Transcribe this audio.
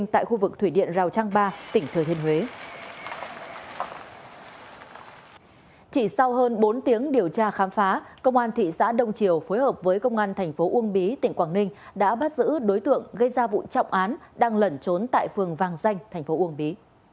chỉ sau hơn bốn tiếng điều tra khám phá công an thị xã đông triều phối hợp với công an thành phố uông bí tỉnh quảng ninh đã bắt giữ đối tượng gây ra vụ trọng án đang lẩn trốn tại phường vàng danh thành phố uông bí